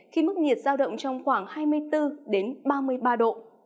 khi mức nhiệt giao động trong khoảng hai mươi bốn ba mươi ba độ